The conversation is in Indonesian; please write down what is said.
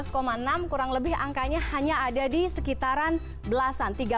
enam kurang lebih angkanya hanya ada di sekitaran belasan